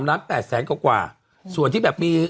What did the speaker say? ล้าน๘แสนกว่าส่วนที่แบบมี